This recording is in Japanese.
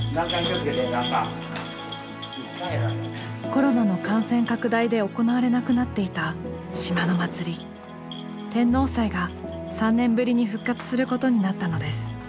コロナの感染拡大で行われなくなっていた島の祭り「天王祭」が３年ぶりに復活することになったのです。